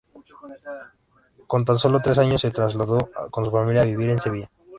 Con tan solo tres años, se trasladó con su familia a vivir a Sevilla.